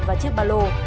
và chiếc bà lô